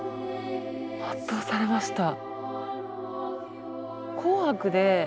圧倒されました。